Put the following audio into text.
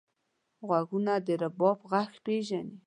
غوږونه د رباب غږ پېژني